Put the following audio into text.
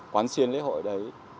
quán xuyên lễ hội đấy